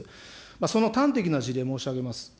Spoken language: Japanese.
その端的な事例を申し上げます。